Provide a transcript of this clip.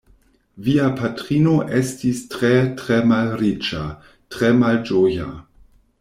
Via patrino estis tre, tre malriĉa, tre malĝoja.